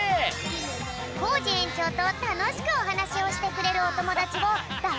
コージえんちょうとたのしくおはなしをしてくれるおともだちをだ